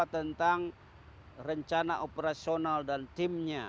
tentang rencana operasional dan timnya